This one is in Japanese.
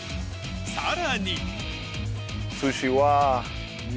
さらに。